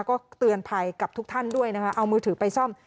ก็เตือนภัยกับทุกท่านด้วยนะคะเอามือถือไปซ่อม